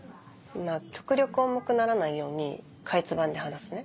まぁ極力重くならないようにかいつまんで話すね。